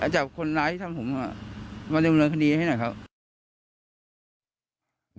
จากคนร้ายที่ทำผมมาเริ่มเริ่มคณีย์ให้หน่อยครับ